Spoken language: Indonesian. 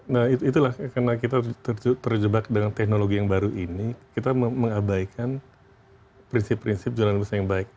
nah itulah karena kita terjebak dengan teknologi yang baru ini kita mengabaikan prinsip prinsip jualan busana yang baik